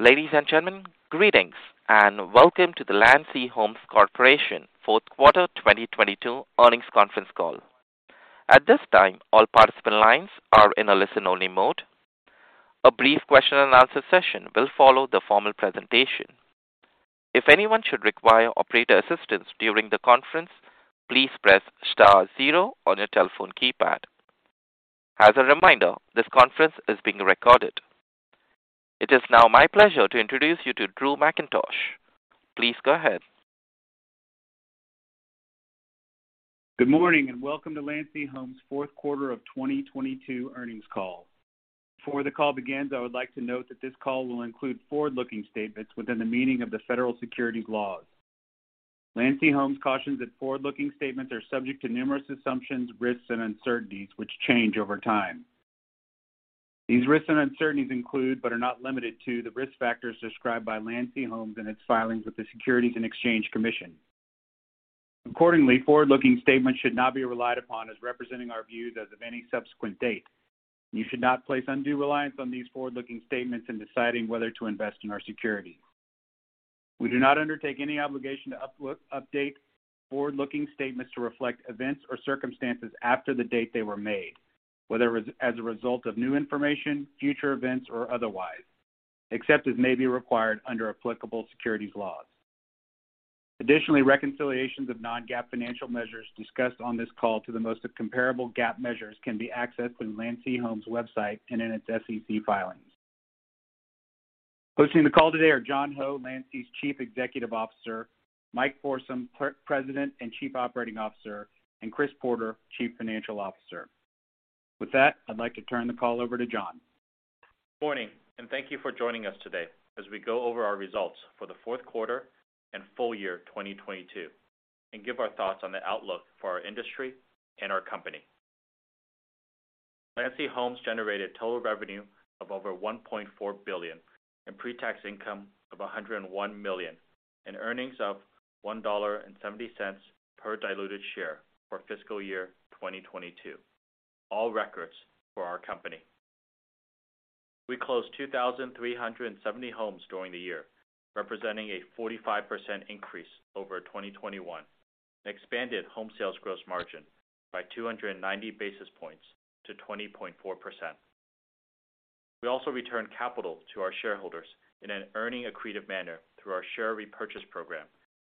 Ladies and gentlemen, greetings, and welcome to the Landsea Homes Corporation Fourth Quarter 2022 Earnings Conference Call. At this time, all participant lines are in a listen-only mode. A brief question-and-answer session will follow the formal presentation. If anyone should require operator assistance during the conference, please press star zero on your telephone keypad. As a reminder, this conference is being recorded. It is now my pleasure to introduce you to Drew Mackintosh. Please go ahead. Good morning and welcome to Landsea Homes Fourth Quarter of 2022 Earnings Call. Before the call begins, I would like to note that this call will include forward-looking statements within the meaning of the federal securities laws. Landsea Homes cautions that forward-looking statements are subject to numerous assumptions, risks, and uncertainties, which change over time. These risks and uncertainties include, but are not limited to, the risk factors described by Landsea Homes in its filings with the Securities and Exchange Commission. Accordingly, forward-looking statements should not be relied upon as representing our views as of any subsequent date. You should not place undue reliance on these forward-looking statements in deciding whether to invest in our security. We do not undertake any obligation to update forward-looking statements to reflect events or circumstances after the date they were made, whether as a result of new information, future events, or otherwise, except as may be required under applicable securities laws. Reconciliations of non-GAAP financial measures discussed on this call to the most comparable GAAP measures can be accessed in Landsea Homes website and in its SEC filings. Hosting the call today are John Ho, Landsea's Chief Executive Officer, Mike Forsum, President and Chief Operating Officer, and Chris Porter, Chief Financial Officer. I'd like to turn the call over to John. Morning, thank you for joining us today as we go over our results for the fourth quarter and full year 2022 and give our thoughts on the outlook for our industry and our company. Landsea Homes generated total revenue of over $1.4 billion and pre-tax income of $101 million and earnings of $1.70 per diluted share for fiscal year 2022. All records for our company. We closed 2,370 homes during the year, representing a 45% increase over 2021, and expanded home sales gross margin by 290 basis points to 20.4%. We also returned capital to our shareholders in an earning accretive manner through our share repurchase program,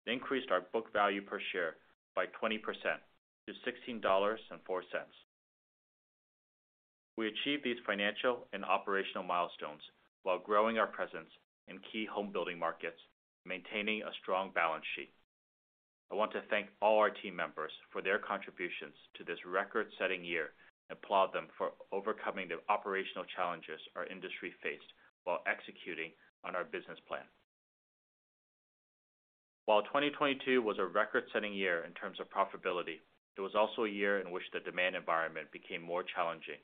and increased our book value per share by 20% to $16.04. We achieved these financial and operational milestones while growing our presence in key homebuilding markets, maintaining a strong balance sheet. I want to thank all our team members for their contributions to this record-setting year and applaud them for overcoming the operational challenges our industry faced while executing on our business plan. While 2022 was a record-setting year in terms of profitability, it was also a year in which the demand environment became more challenging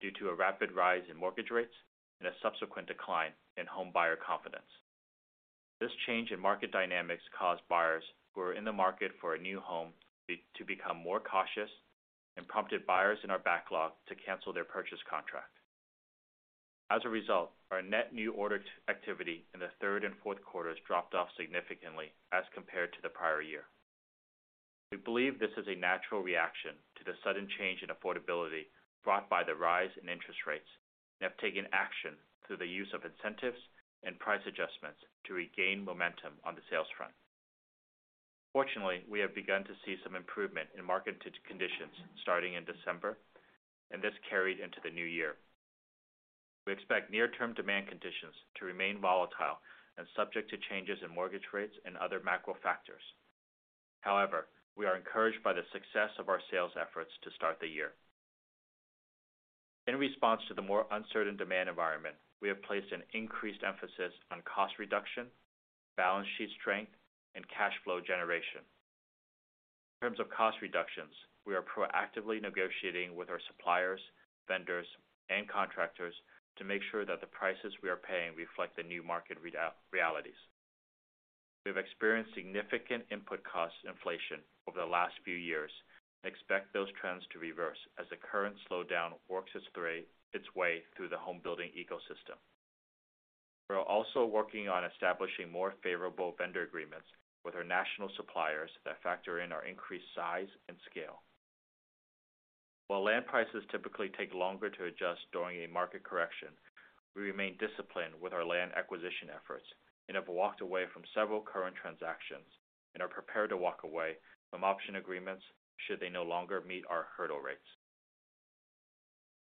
due to a rapid rise in mortgage rates and a subsequent decline in homebuyer confidence. This change in market dynamics caused buyers who were in the market for a new home to become more cautious and prompted buyers in our backlog to cancel their purchase contract. As a result, our net new order activity in the third and fourth quarters dropped off significantly as compared to the prior year. We believe this is a natural reaction to the sudden change in affordability brought by the rise in interest rates and have taken action through the use of incentives and price adjustments to regain momentum on the sales front. Fortunately, we have begun to see some improvement in market conditions starting in December, and this carried into the new year. We expect near-term demand conditions to remain volatile and subject to changes in mortgage rates and other macro factors. However, we are encouraged by the success of our sales efforts to start the year. In response to the more uncertain demand environment, we have placed an increased emphasis on cost reduction, balance sheet strength, and cash flow generation. In terms of cost reductions, we are proactively negotiating with our suppliers, vendors, and contractors to make sure that the prices we are paying reflect the new market realities. We have experienced significant input cost inflation over the last few years and expect those trends to reverse as the current slowdown works its way through the home building ecosystem. We are also working on establishing more favorable vendor agreements with our national suppliers that factor in our increased size and scale. While land prices typically take longer to adjust during a market correction, we remain disciplined with our land acquisition efforts and have walked away from several current transactions and are prepared to walk away from option agreements should they no longer meet our hurdle rates.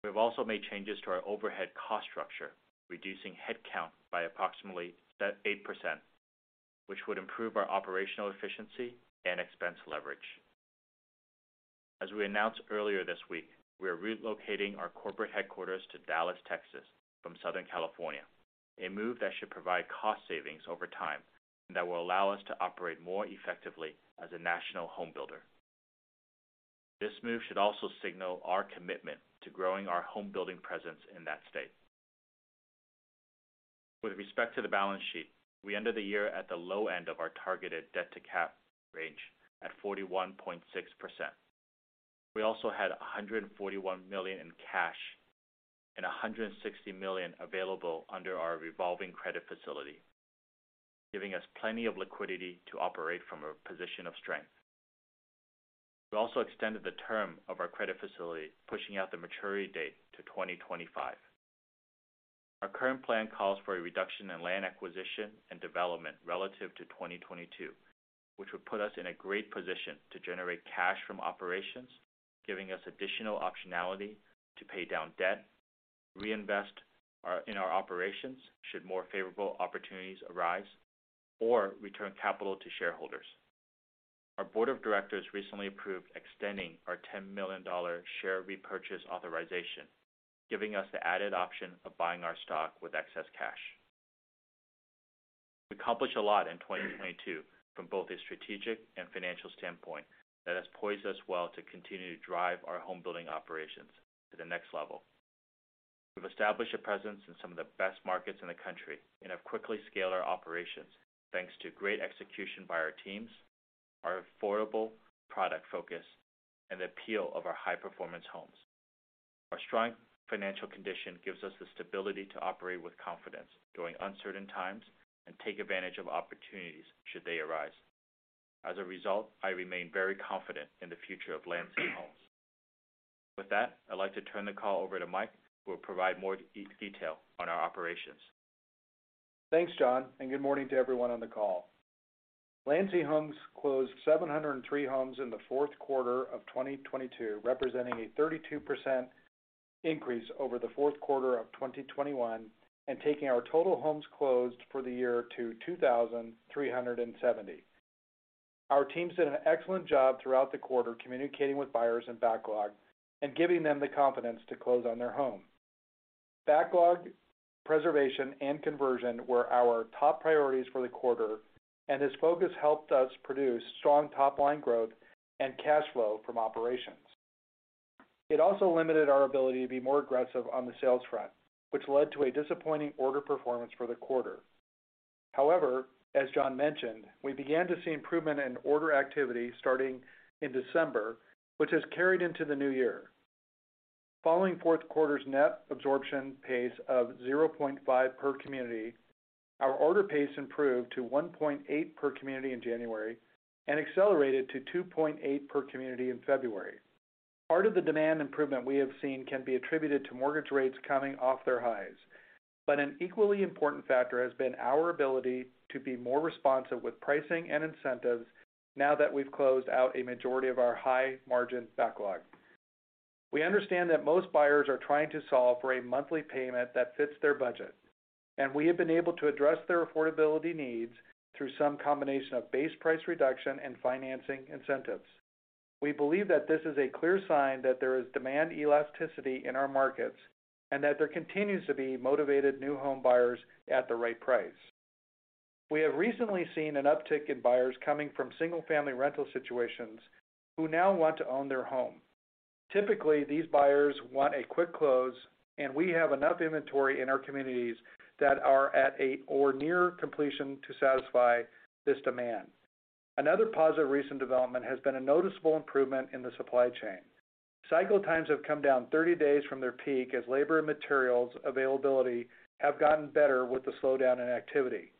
We have also made changes to our overhead cost structure, reducing headcount by approximately 8%, which would improve our operational efficiency and expense leverage. As we announced earlier this week, we are relocating our corporate headquarters to Dallas, Texas from Southern California, a move that should provide cost savings over time and that will allow us to operate more effectively as a national home builder. This move should also signal our commitment to growing our home building presence in that state. With respect to the balance sheet, we ended the year at the low end of our targeted debt-to-cap range at 41.6%. We also had $141 million in cash and $160 million available under our revolving credit facility, giving us plenty of liquidity to operate from a position of strength. We also extended the term of our credit facility, pushing out the maturity date to 2025. Our current plan calls for a reduction in land acquisition and development relative to 2022, which would put us in a great position to generate cash from operations, giving us additional optionality to pay down debt, reinvest in our operations should more favorable opportunities arise, or return capital to shareholders. Our board of directors recently approved extending our $10 million share repurchase authorization, giving us the added option of buying our stock with excess cash. We accomplished a lot in 2022 from both a strategic and financial standpoint that has poised us well to continue to drive our home building operations to the next level. We've established a presence in some of the best markets in the country and have quickly scaled our operations thanks to great execution by our teams, our affordable product focus, and the appeal of our High Performance Homes. Our strong financial condition gives us the stability to operate with confidence during uncertain times and take advantage of opportunities should they arise. I remain very confident in the future of Landsea Homes. With that, I'd like to turn the call over to Mike, who will provide more detail on our operations. Thanks, John, good morning to everyone on the call. Landsea Homes closed 703 homes in the fourth quarter of 2022, representing a 32% increase over the fourth quarter of 2021, and taking our total homes closed for the year to 2,370. Our team did an excellent job throughout the quarter communicating with buyers in backlog and giving them the confidence to close on their home. Backlog preservation and conversion were our top priorities for the quarter, and this focus helped us produce strong top-line growth and cash flow from operations. It also limited our ability to be more aggressive on the sales front, which led to a disappointing order performance for the quarter. However, as John mentioned, we began to see improvement in order activity starting in December, which has carried into the new year. Following fourth quarter's net absorption pace of 0.5 per community, our order pace improved to 1.8 per community in January and accelerated to 2.8 per community in February. Part of the demand improvement we have seen can be attributed to mortgage rates coming off their highs, an equally important factor has been our ability to be more responsive with pricing and incentives now that we've closed out a majority of our high-margin backlog. We understand that most buyers are trying to solve for a monthly payment that fits their budget, we have been able to address their affordability needs through some combination of base price reduction and financing incentives. We believe that this is a clear sign that there is demand elasticity in our markets and that there continues to be motivated new home buyers at the right price. We have recently seen an uptick in buyers coming from single-family rental situations who now want to own their home. Typically, these buyers want a quick close, and we have enough inventory in our communities that are at a or near completion to satisfy this demand. Another positive recent development has been a noticeable improvement in the supply chain. Cycle times have come down 30 days from their peak as labor and materials availability have gotten better with the slowdown in activity.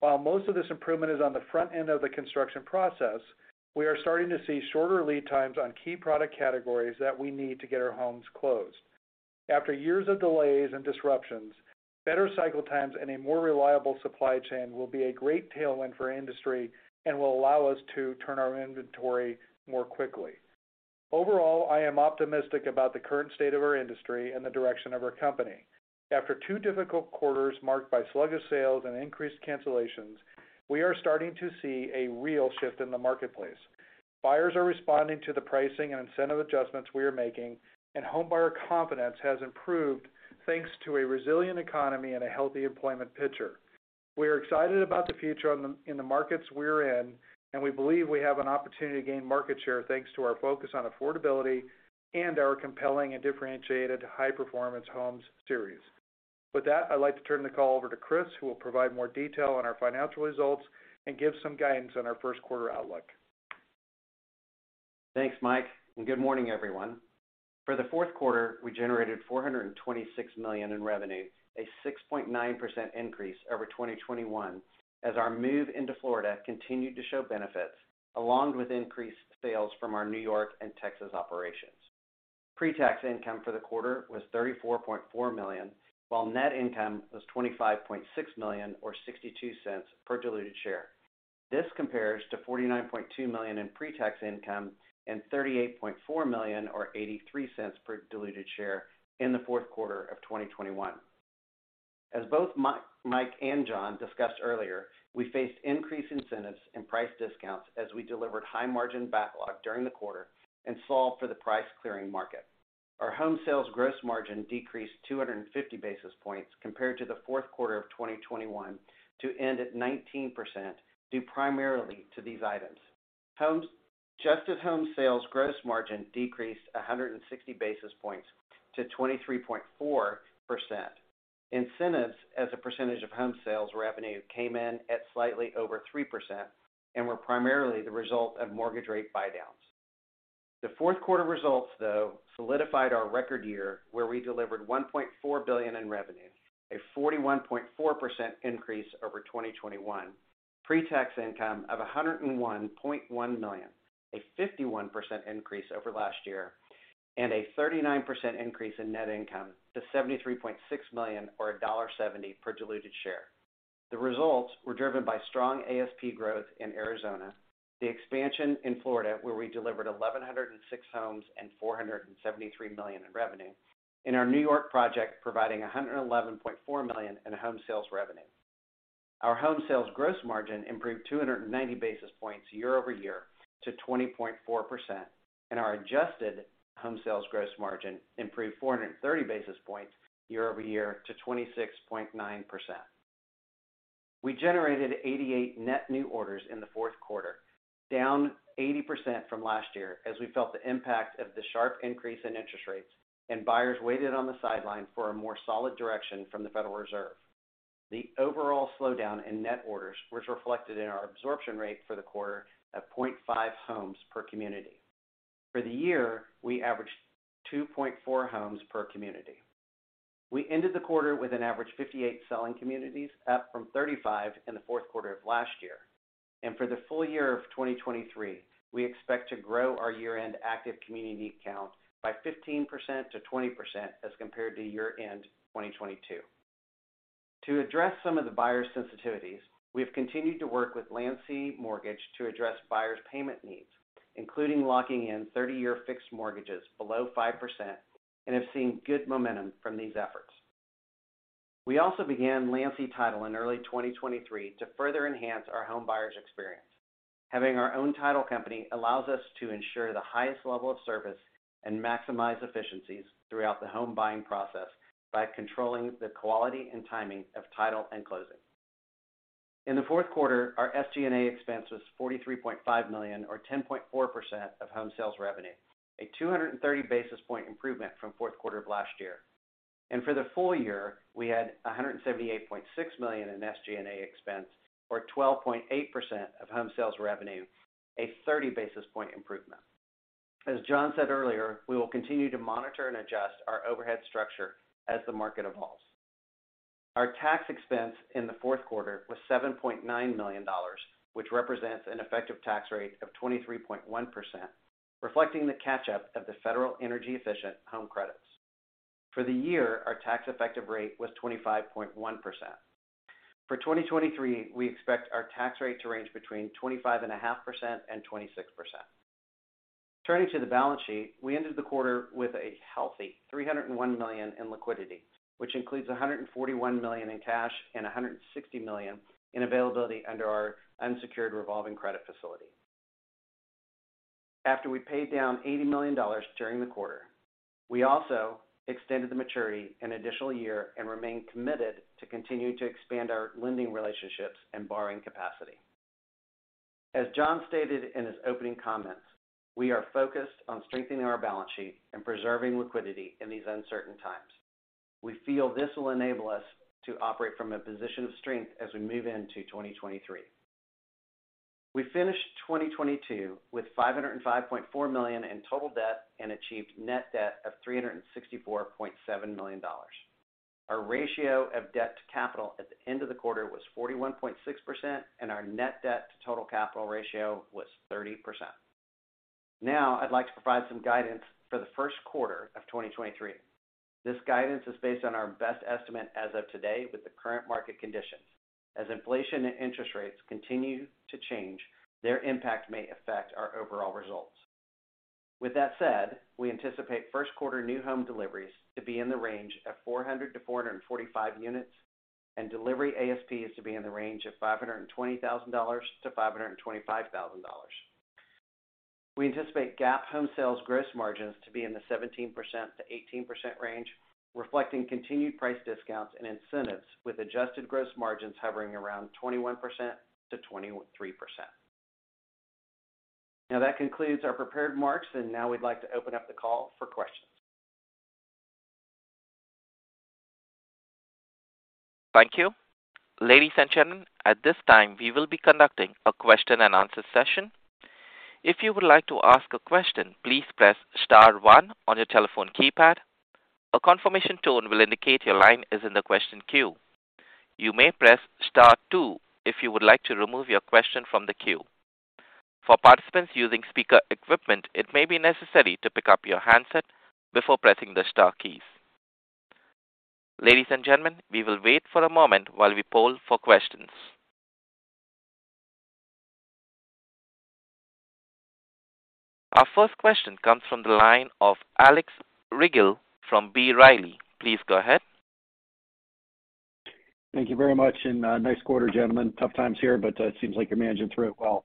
While most of this improvement is on the front end of the construction process, we are starting to see shorter lead times on key product categories that we need to get our homes closed. After years of delays and disruptions, better cycle times and a more reliable supply chain will be a great tailwind for our industry and will allow us to turn our inventory more quickly. Overall, I am optimistic about the current state of our industry and the direction of our company. After two difficult quarters marked by sluggish sales and increased cancellations, we are starting to see a real shift in the marketplace. Buyers are responding to the pricing and incentive adjustments we are making, and homebuyer confidence has improved thanks to a resilient economy and a healthy employment picture. We are excited about the future in the markets we're in, and we believe we have an opportunity to gain market share thanks to our focus on affordability and our compelling and differentiated High Performance Homes series. With that, I'd like to turn the call over to Chris, who will provide more detail on our financial results and give some guidance on our first quarter outlook. Thanks, Mike, and good morning, everyone. For the fourth quarter, we generated $426 million in revenue, a 6.9% increase over 2021 as our move into Florida continued to show benefits along with increased sales from our New York and Texas operations. Pre-tax income for the quarter was $34.4 million, while net income was $25.6 million or $0.62 per diluted share. This compares to $49.2 million in pre-tax income and $38.4 million or $0.83 per diluted share in the fourth quarter of 2021. As both Mike and John discussed earlier, we faced increased incentives and price discounts as we delivered high-margin backlog during the quarter and solved for the price-clearing market. Our home sales gross margin decreased 250 basis points compared to the fourth quarter of 2021 to end at 19%, due primarily to these items. Home sales gross margin decreased 160 basis points to 23.4%. Incentives as a percentage of home sales revenue came in at slightly over 3% and were primarily the result of mortgage rate buydowns. The fourth quarter results, though, solidified our record year, where we delivered $1.4 billion in revenue, a 41.4% increase over 2021. Pre-tax income of $101.1 million, a 51% increase over last year, and a 39% increase in net income to $73.6 million or $1.70 per diluted share. The results were driven by strong ASP growth in Arizona, the expansion in Florida, where we delivered 1,106 homes and $473 million in revenue, and our New York project providing $111.4 million in home sales revenue. Our home sales gross margin improved 290 basis points year-over-year to 20.4%, and our adjusted home sales gross margin improved 430 basis points year-over-year to 26.9%. We generated 88 net new orders in the fourth quarter, down 80% from last year as we felt the impact of the sharp increase in interest rates and buyers waited on the sideline for a more solid direction from the Federal Reserve. The overall slowdown in net orders was reflected in our absorption rate for the quarter at 0.5 homes per community. For the year, we averaged 2.4 homes per community. We ended the quarter with an average 58 selling communities, up from 35 in the fourth quarter of last year. For the full year of 2023, we expect to grow our year-end active community count by 15%-20% as compared to year-end 2022. To address some of the buyers' sensitivities, we have continued to work with Landsea Mortgage to address buyers' payment needs, including locking in 30-year fixed mortgages below 5%, and have seen good momentum from these efforts. We also began Landsea Title in early 2023 to further enhance our home buyers' experience. Having our own title company allows us to ensure the highest level of service and maximize efficiencies throughout the home buying process by controlling the quality and timing of title and closing. In the fourth quarter, our SG&A expense was $43.5 million or 10.4% of home sales revenue, a 230 basis point improvement from fourth quarter of last year. For the full year, we had $178.6 million in SG&A expense or 12.8% of home sales revenue, a 30 basis point improvement. As John said earlier, we will continue to monitor and adjust our overhead structure as the market evolves. Our tax expense in the fourth quarter was $7.9 million, which represents an effective tax rate of 23.1%, reflecting the catch-up of the Energy Efficient Home Improvement Credit. For the year, our tax effective rate was 25.1%. For 2023, we expect our tax rate to range between 25.5% and 26%. Turning to the balance sheet, we ended the quarter with a healthy $301 million in liquidity, which includes $141 million in cash and $160 million in availability under our unsecured revolving credit facility. After we paid down $80 million during the quarter, we also extended the maturity an additional year and remain committed to continue to expand our lending relationships and borrowing capacity. As John stated in his opening comments, we are focused on strengthening our balance sheet and preserving liquidity in these uncertain times. We feel this will enable us to operate from a position of strength as we move into 2023. We finished 2022 with $505.4 million in total debt and achieved net debt of $364.7 million. Our ratio of debt to capital at the end of the quarter was 41.6%, and our net debt to total capital ratio was 30%. I'd like to provide some guidance for the first quarter of 2023. This guidance is based on our best estimate as of today with the current market conditions. Inflation and interest rates continue to change, their impact may affect our overall results. With that said, we anticipate first quarter new home deliveries to be in the range of 400-445 units and delivery ASPs to be in the range of $520,000-$525,000. We anticipate GAAP home sales gross margins to be in the 17%-18% range, reflecting continued price discounts and incentives, with adjusted gross margins hovering around 21%-23%. That concludes our prepared remarks. Now we'd like to open up the call for questions. Thank you. Ladies and gentlemen, at this time, we will be conducting a question and answer session. If you would like to ask a question, please press star one on your telephone keypad. A confirmation tone will indicate your line is in the question queue. You may press star two if you would like to remove your question from the queue. For participants using speaker equipment, it may be necessary to pick up your handset before pressing the star keys. Ladies and gentlemen, we will wait for a moment while we poll for questions. Our first question comes from the line of Alex Rygiel from B. Riley. Please go ahead. Thank you very much. Nice quarter, gentlemen. Tough times here, it seems like you're managing through it well.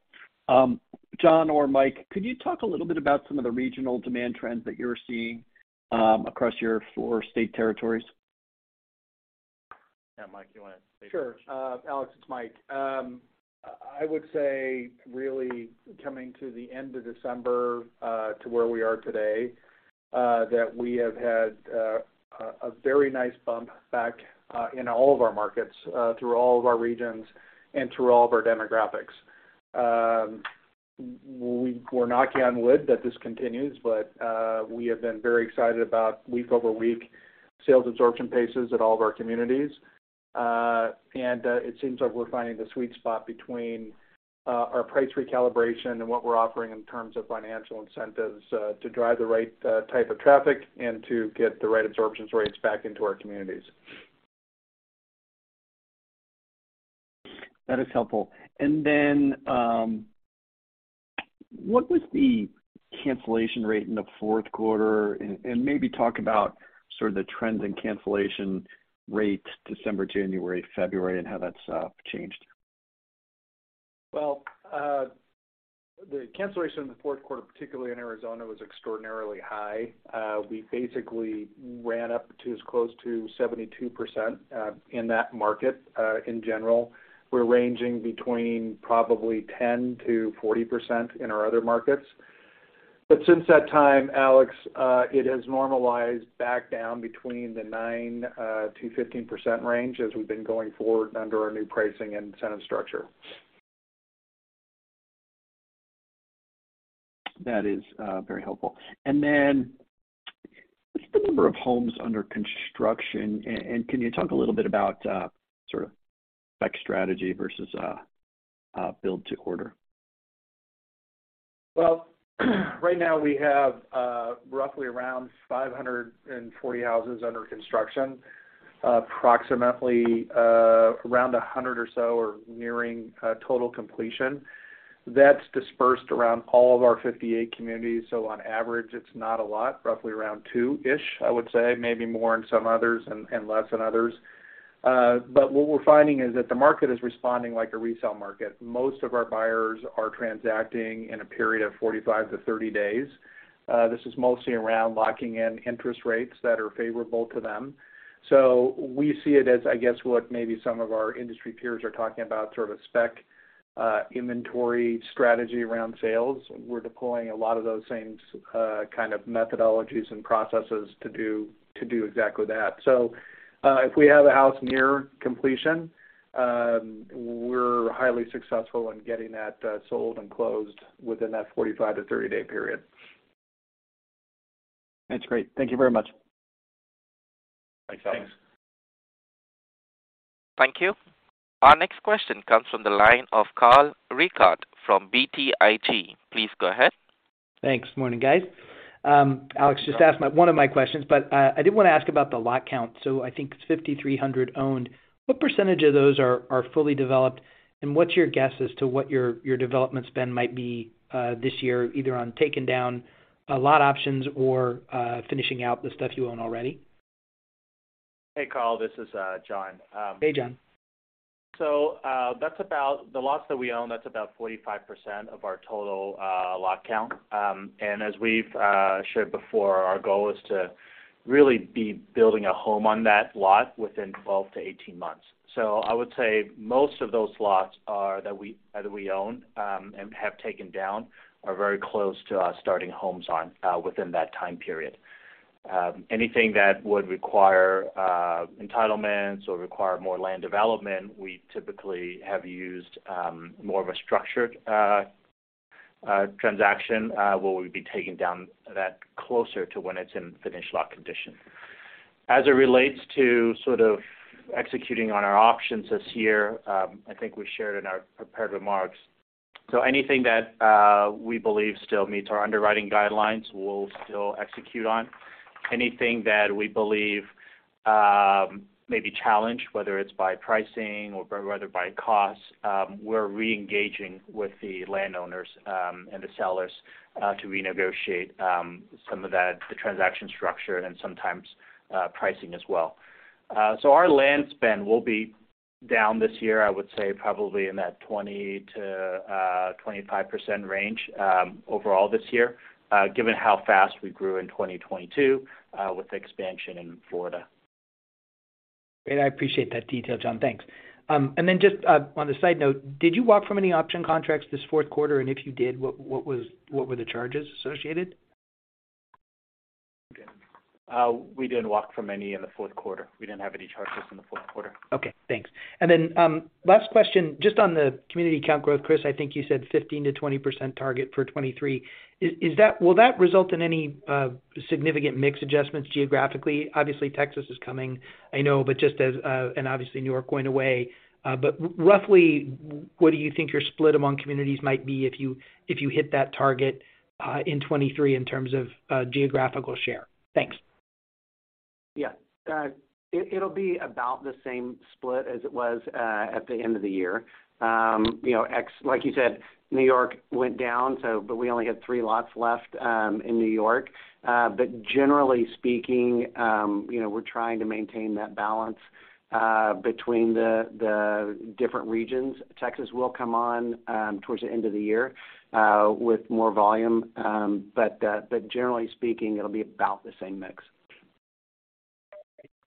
John or Mike, could you talk a little bit about some of the regional demand trends that you're seeing, across your four state territories? Yeah, Mike, you wanna take it? Sure. Alex, it's Mike. I would say really coming to the end of December, to where we are today, that we have had a very nice bump back in all of our markets, through all of our regions and through all of our demographics. We're knocking on wood that this continues, but we have been very excited about week-over-week sales absorption paces at all of our communities. It seems like we're finding the sweet spot between our price recalibration and what we're offering in terms of financial incentives, to drive the right type of traffic and to get the right absorptions rates back into our communities. That is helpful. What was the cancellation rate in the fourth quarter? Maybe talk about sort of the trends in cancellation rate December, January, February, and how that's changed? The cancellation in the fourth quarter, particularly in Arizona, was extraordinarily high. We basically ran up to as close to 72% in that market. In general, we're ranging between probably 10%-40% in our other markets. Since that time, Alex, it has normalized back down between the 9%-15% range as we've been going forward under our new pricing and incentive structure. That is very helpful. What's the number of homes under construction? Can you talk a little bit about sort of spec strategy versus build to order? Well, right now we have, roughly around 540 houses under construction. Approximately, around 100 or so are nearing, total completion. That's dispersed around all of our 58 communities, on average, it's not a lot, roughly around two-ish, I would say. Maybe more in some others and less in others. What we're finding is that the market is responding like a resale market. Most of our buyers are transacting in a period of 45-30 days. This is mostly around locking in interest rates that are favorable to them. We see it as, I guess, what maybe some of our industry peers are talking about, sort of a spec, inventory strategy around sales. We're deploying a lot of those same kind of methodologies and processes to do exactly that. If we have a house near completion, we're highly successful in getting that sold and closed within that 45-30 day period. That's great. Thank you very much. Thanks, Alex. Thanks. Thank you. Our next question comes from the line of Carl Reichardt from BTIG. Please go ahead. Thanks. Morning, guys. Alex just asked one of my questions. I did wanna ask about the lot count. I think it's 5,300 owned. What % of those are fully developed, and what's your guess as to what your development spend might be this year, either on taking down a lot options or finishing out the stuff you own already? Hey, Carl, this is John. Hey, John. The lots that we own, that's about 45% of our total lot count. As we've shared before, our goal is to really be building a home on that lot within 12-18 months. I would say most of those lots that we own and have taken down are very close to starting homes on within that time period. Anything that would require entitlements or require more land development, we typically have used more of a structured transaction where we'd be taking down that closer to when it's in finished lot condition. As it relates to sort of executing on our options this year, I think we shared in our prepared remarks. Anything that we believe still meets our underwriting guidelines, we'll still execute on. Anything that we believe may be challenged, whether it's by pricing or whether by cost, we're re-engaging with the landowners and the sellers to renegotiate some of that, the transaction structure and sometimes pricing as well. Our land spend will be down this year, I would say probably in that 20%-25% range overall this year, given how fast we grew in 2022, with the expansion in Florida. Great. I appreciate that detail, John. Thanks. Just, on a side note, did you walk from any option contracts this fourth quarter? If you did, what were the charges associated? We didn't walk from any in the fourth quarter. We didn't have any charges in the fourth quarter. Okay, thanks. Last question, just on the community count growth. Chris, I think you said 15%-20% target for 2023. Will that result in any significant mix adjustments geographically? Obviously, Texas is coming, I know, but just as, and obviously New York going away. Roughly, what do you think your split among communities might be if you, if you hit that target, in 2023 in terms of, geographical share? Thanks. Yeah. It'll be about the same split as it was at the end of the year. You know, Like you said, New York went down, so but we only had three lots left in New York. Generally speaking, you know, we're trying to maintain that balance between the different regions. Texas will come on towards the end of the year with more volume. Generally speaking, it'll be about the same mix.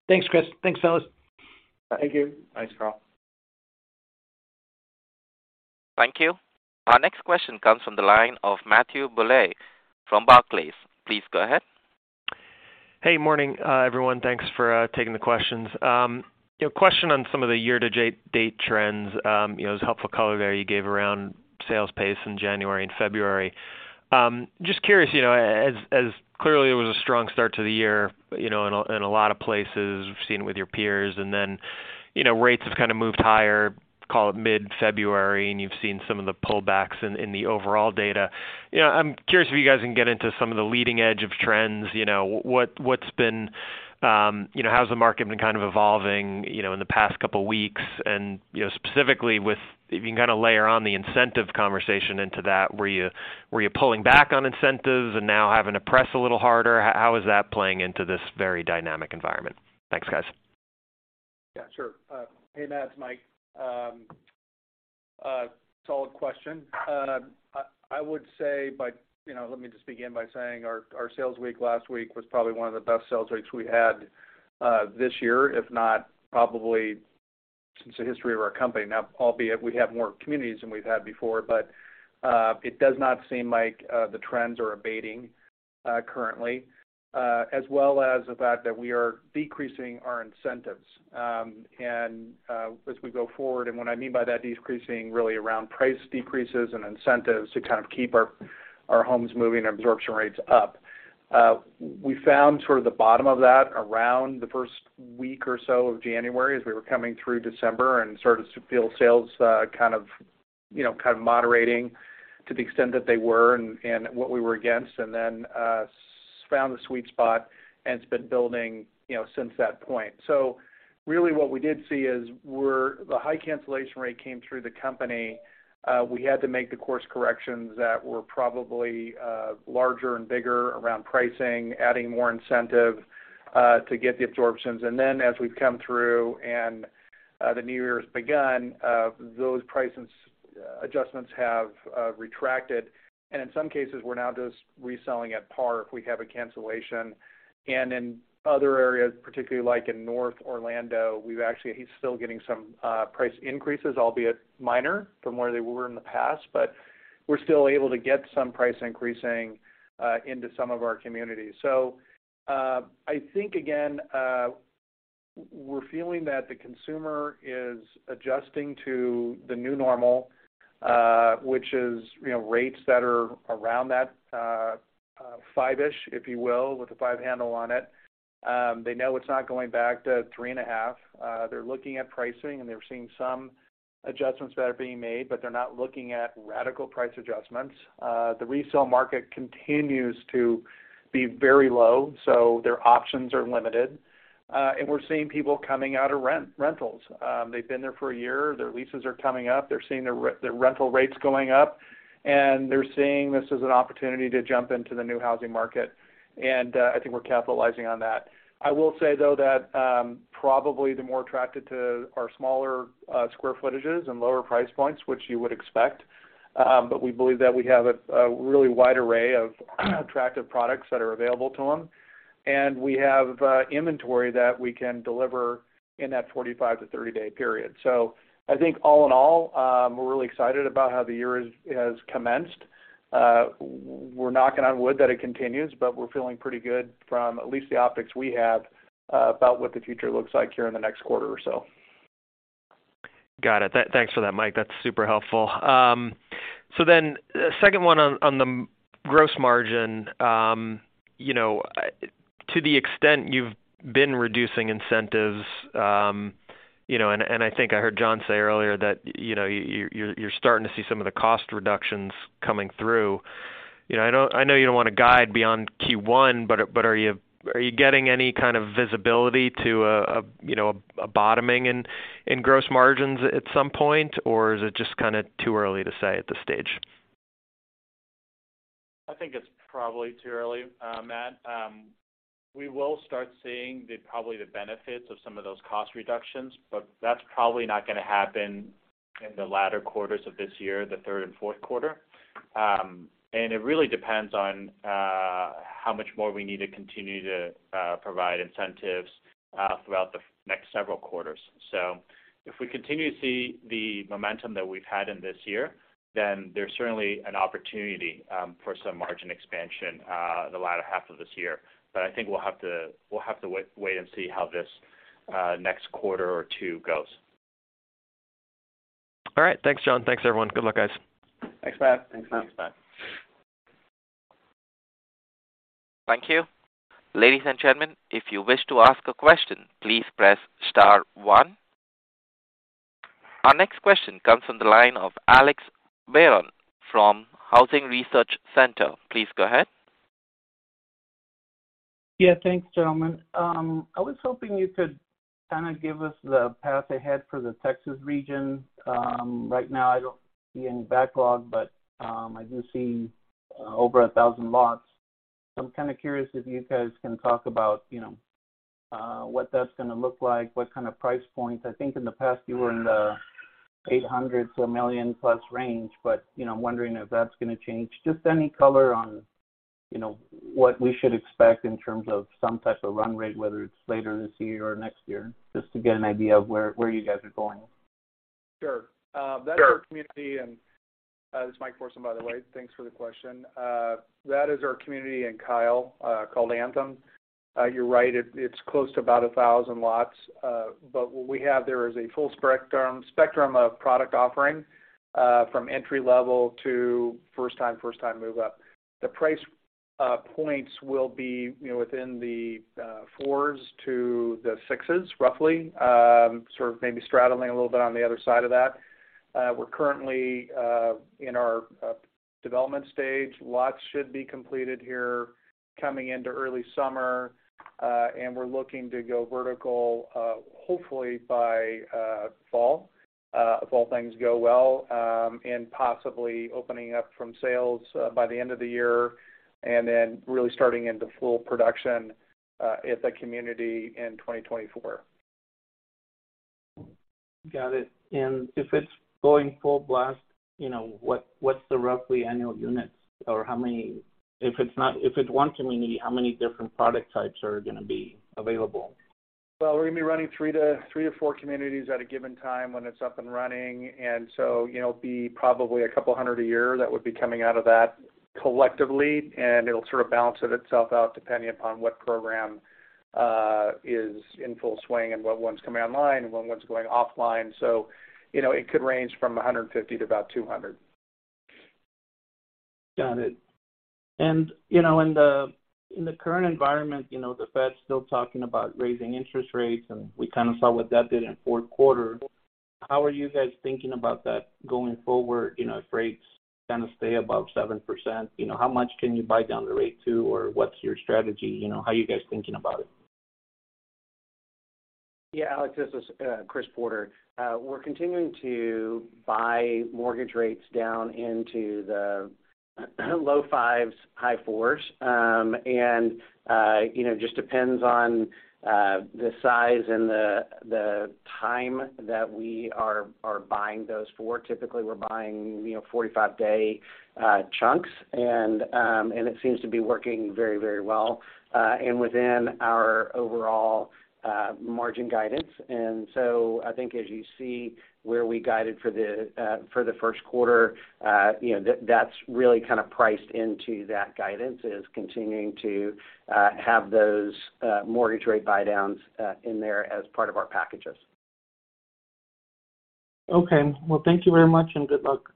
Thanks, Chris. Thanks, fellas. Thank you. Thanks, Carl. Thank you. Our next question comes from the line of Matthew Bouley from Barclays. Please go ahead. Hey, morning, everyone. Thanks for taking the questions. You know, a question on some of the year-to-date trends, you know, it was helpful color there you gave around sales pace in January and February. Just curious, you know, as clearly it was a strong start to the year, you know, in a, in a lot of places we've seen with your peers and then, you know, rates have kind of moved higher, call it mid-February, and you've seen some of the pullbacks in the overall data. You know, I'm curious if you guys can get into some of the leading edge of trends, you know, what's been, you know, how's the market been kind of evolving, you know, in the past couple weeks? You know, specifically with if you can kind of layer on the incentive conversation into that. Were you pulling back on incentives and now having to press a little harder? How is that playing into this very dynamic environment? Thanks, guys. Yeah, sure. Hey, Matt, it's Mike. Solid question. I would say by... You know, let me just begin by saying our sales week last week was probably one of the best sales weeks we had this year, if not probably since the history of our company. Now, albeit we have more communities than we've had before, but it does not seem like the trends are abating currently, as well as the fact that we are decreasing our incentives, and as we go forward. What I mean by that decreasing really around price decreases and incentives to kind of keep our homes moving and absorption rates up. We found sort of the bottom of that around the first week or so of January as we were coming through December and started to feel sales, kind of, you know, kind of moderating to the extent that they were and what we were against, then, found the sweet spot, and it's been building, you know, since that point. Really what we did see is where the high cancellation rate came through the company, we had to make the course corrections that were probably, larger and bigger around pricing, adding more incentive, to get the absorptions. Then as we've come through and the new year has begun, those prices adjustments have retracted. In some cases, we're now just reselling at par if we have a cancellation. In other areas, particularly like in North Orlando, we've actually still getting some price increases, albeit minor from where they were in the past. We're still able to get some price increasing into some of our communities. I think, again, we're feeling that the consumer is adjusting to the new normal, which is, you know, rates that are around that five-ish, if you will, with a five handle on it. They know it's not going back to three and a half. They're looking at pricing, and they're seeing some adjustments that are being made, but they're not looking at radical price adjustments. The resale market continues to be very low, so their options are limited. We're seeing people coming out of rent, rentals. They've been there for a year, their leases are coming up. They're seeing their rental rates going up, and they're seeing this as an opportunity to jump into the new housing market, and I think we're capitalizing on that. I will say, though, that probably they're more attracted to our smaller square footages and lower price points, which you would expect. We believe that we have a really wide array of attractive products that are available to them. We have inventory that we can deliver in that 45-30-day period. I think all in all, we're really excited about how the year has commenced. We're knocking on wood that it continues, but we're feeling pretty good from at least the optics we have about what the future looks like here in the next quarter or so. Got it. Thanks for that, Mike. That's super helpful. Second one on the gross margin. You know, to the extent you've been reducing incentives, you know, and I think I heard John say earlier that, you know, you're starting to see some of the cost reductions coming through. You know, I know, I know you don't wanna guide beyond Q1, but are you getting any kind of visibility to a, you know, a bottoming in gross margins at some point, or is it just kinda too early to say at this stage? I think it's probably too early, Matt. We will start seeing the probably the benefits of some of those cost reductions. That's probably not gonna happen in the latter quarters of this year, the third and fourth quarter. It really depends on how much more we need to continue to provide incentives throughout the next several quarters. If we continue to see the momentum that we've had in this year, then there's certainly an opportunity for some margin expansion the latter half of this year. I think we'll have to, we'll have to wait and see how this next quarter or two goes. All right. Thanks, John. Thanks, everyone. Good luck, guys. Thanks, Matt. Thanks, Matt. Thanks, Matt. Thank you. Ladies and gentlemen, if you wish to ask a question, please press star one. Our next question comes from the line of Alex Barron from Housing Research Center. Please go ahead. Yeah, thanks, gentlemen. I was hoping you could kinda give us the path ahead for the Texas region. Right now I don't see any backlog, but, I do see over 1,000 lots. I'm kinda curious if you guys can talk about, you know, what that's gonna look like, what kind of price points. I think in the past you were in the 800 to million-plus range, but, you know, I'm wondering if that's gonna change. Just any color on that. You know, what we should expect in terms of some type of run rate, whether it's later this year or next year, just to get an idea of where you guys are going. Sure. That's our community. This is Mike Forsum, by the way. Thanks for the question. That is our community in Kyle, called Anthem. You're right, it's close to about 1,000 lots. What we have there is a full spectrum of product offering, from entry-level to first time move up. The price points will be, you know, within the $4s-$6s, roughly. Sort of maybe straddling a little bit on the other side of that. We're currently in our development stage. Lots should be completed here coming into early summer. We're looking to go vertical, hopefully by fall, if all things go well. Possibly opening up from sales by the end of the year, and then really starting into full production at the community in 2024. Got it. If it's going full blast, you know, what's the roughly annual units or how many... If it's one community, how many different product types are gonna be available? Well, we're gonna be running three to four communities at a given time when it's up and running. You know, it'll be probably a couple hundred a year that would be coming out of that collectively, and it'll sort of balance it itself out depending upon what program is in full swing and what's coming online and what's going offline. You know, it could range from 150 to about 200. Got it. you know, in the, in the current environment, you know, the Fed's still talking about raising interest rates, and we kind of saw what that did in fourth quarter. How are you guys thinking about that going forward, you know, if rates kinda stay above 7%? You know, how much can you buy down the rate to, or what's your strategy? You know, how are you guys thinking about it? Yeah. Alex, this is Chris Porter. We're continuing to buy mortgage rates down into the low fives, high fours. And, you know, it just depends on the size and the time that we are buying those for. Typically, we're buying, you know, 45-day chunks and it seems to be working very, very well and within our overall margin guidance. I think as you see where we guided for the first quarter, you know, that's really kind of priced into that guidance, is continuing to have those mortgage rate buy-downs in there as part of our packages. Okay. Well, thank you very much, and good luck.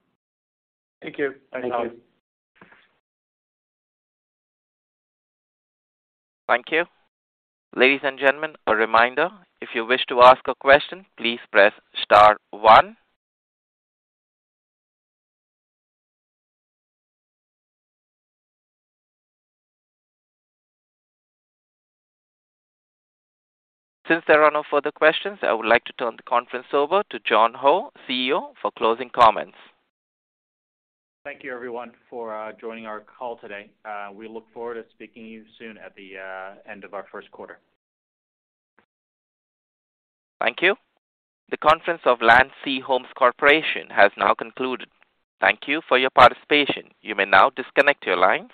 Thank you. Thank you. Thanks, Alex. Thank you. Ladies and gentlemen, a reminder, if you wish to ask a question, please press star one. Since there are no further questions, I would like to turn the conference over to John Ho, CEO, for closing comments. Thank you, everyone, for joining our call today. We look forward to speaking to you soon at the end of our first quarter. Thank you. The conference of Landsea Homes Corporation has now concluded. Thank you for your participation. You may now disconnect your lines.